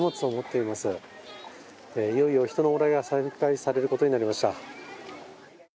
いよいよ人の往来が再開されることになりました。